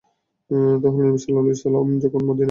তা হল, নবী সাল্লাল্লাহু আলাইহি ওয়াসাল্লাম যখন মদীনায়।